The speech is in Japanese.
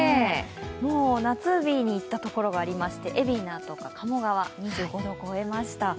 もう夏日にいったところがありまして海老名とか鴨川、２５度を超えました